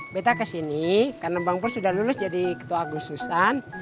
beta kesini karena bang pur sudah lulus jadi ketua agus susan